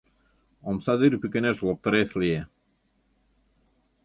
Омсадӱр пӱкенеш лоптырес лие.